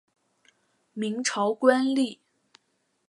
明朝官吏。